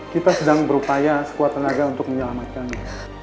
kita sedang berupaya sekuat tenaga untuk menyelamatkannya